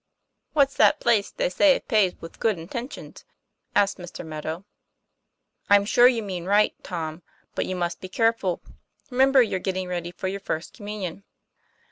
"What's that place they say is paved with good intentions?" asked Mr. Meadow. 'I'm sure you meant right, Tom, but you must be careful. Remember you're getting ready for your First Communion."